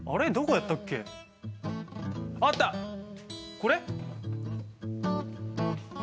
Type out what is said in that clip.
これ？